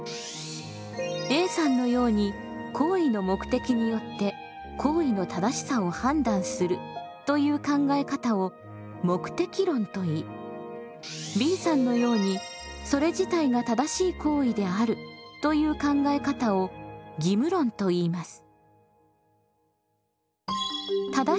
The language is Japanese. Ａさんのように行為の目的によって行為の正しさを判断するという考え方を目的論といいＢさんのようにそれ自体が正しい行為であるという考え方を義務論といいます。